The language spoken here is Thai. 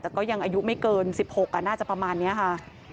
ใส่เครื่องแบบแต่ก็ยังอายุไม่เกิน๑๖น่าจะประมาณเนี่ยค่ะ